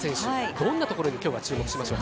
どんなところにきょうは注目しましょう？